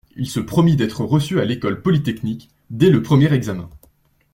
Il se promit d'être reçu à L'École Polytechnique, dès le premier examen.